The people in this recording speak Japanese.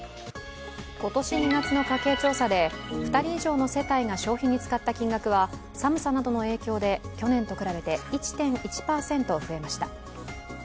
今年２月の家計調査で、２人以上の世帯が消費に使った金額は寒さなどの影響で去年と比べて１．１％増えました。